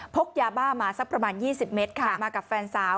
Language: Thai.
กยาบ้ามาสักประมาณ๒๐เมตรค่ะมากับแฟนสาว